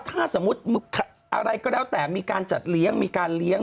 ถ้าสมมุติอะไรก็แล้วแต่มีการจัดเลี้ยงมีการเลี้ยง